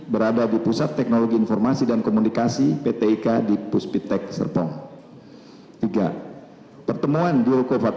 berada di pusat teknologi informasi dan komunikasi pt ika di puspitek serpong